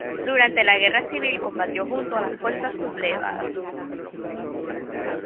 Durante la Guerra civil combatió junto a las fuerzas sublevadas.